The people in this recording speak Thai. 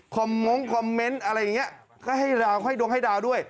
คอมมงค์คอมเม้นท์อะไรอย่างนี้ก็ให้ดวงให้ดาวด้วย